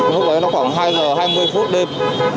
lúc ấy nó khoảng hai giờ hai mươi phút đêm